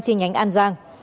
chi nhánh an giang